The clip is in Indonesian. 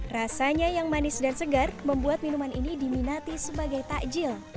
rasanya yang manis dan segar membuat minuman ini diminati sebagai takjil